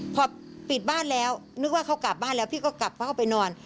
พอปิดบ้านแล้วนึกว่าเขากลับบ้านแล้วพี่ก็กลับเขาก็ไปนอน